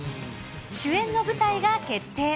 主演の舞台が決定。